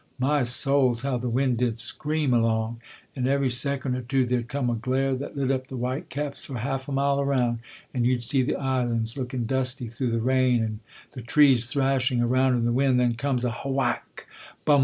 My souls, how the wind did scream along! And every second or two there'd come a glare that lit up the white caps for a half a mile around, and you'd see the islands looking dusty through the rain, and the trees thrashing around in the wind; then comes a h wach! bum!